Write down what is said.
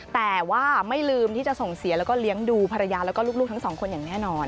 แต่ว่าไม่ลืมที่จะส่งเสียแล้วก็เลี้ยงดูภรรยาแล้วก็ลูกทั้งสองคนอย่างแน่นอน